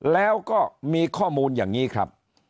แล้วก็มีข้อมูลอย่างนี้ครับ